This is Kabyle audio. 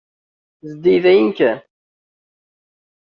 Zeddig dayen kan.